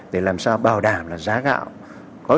để làm sao bảo đảm là giá gạo